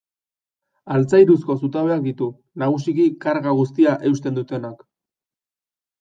Altzairuzko zutabeak ditu, nagusiki karga guztia eusten dutenak.